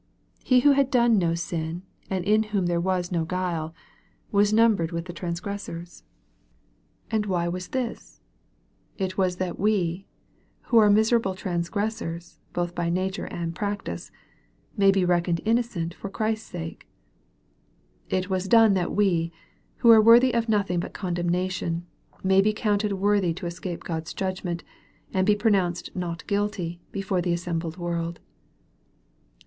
He who had done no sin, and in whom there was no guile, " was numbered with the transgressors." And why was this ? It was that we, who are mise rable trangressors, both by nature and practice, may be reckoned innocent for Christ's sake. It was done that we, who are worthy of nothing but condemnation, may be counted worthy to escape God's judgment, and be pronounced not guilty before the assembled world.